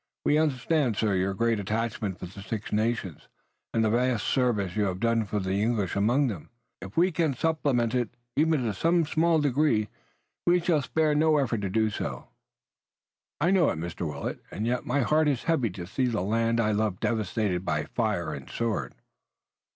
"We understand, sir, your great attachment for the Six Nations, and the vast service you have done for the English among them. If we can supplement it even in some small degree we shall spare no effort to do so." "I know it, Mr. Willet, and yet my heart is heavy to see the land I love devastated by fire and sword."